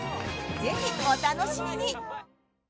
ぜひお楽しみに！